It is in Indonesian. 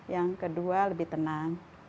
yang kedua lebih tenang